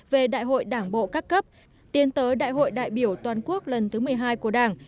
về đại hội đảng bộ các cấp tiến tới đại hội đại biểu toàn quốc lần thứ một mươi hai của đảng